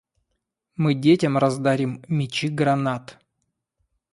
Мы детям раздарим мячи гранат.